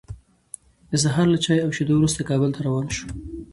د سهار له چای او شیدو وروسته، کابل ته روان شوو.